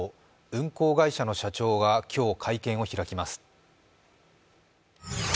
運航会社の社長が今日、会見を開きます。